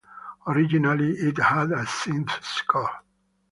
Originally, it had a synth score.